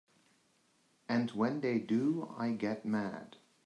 And when they do I get mad.